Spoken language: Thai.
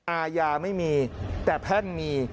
อาญาไม่มีแต่แพ่งมี